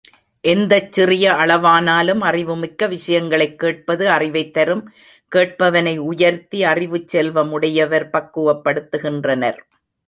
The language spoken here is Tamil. எந்தச் சிறிய அளவானாலும் அறிவுமிக்க விஷயங்களைக் கேட்பது அறிவைத் தரும் கேட்பவனை உயர்த்தி அறிவுச் செல்வம் உடையவர் பக்குவப்படுத்துகின்றனர்.